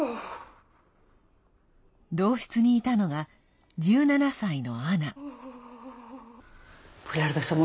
同室にいたのが、１７歳のアナ。